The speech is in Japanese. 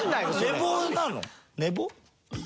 寝坊？